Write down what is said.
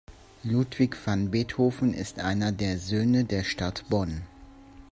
Ludwig van Beethoven ist einer der Söhne der Stadt Bonn.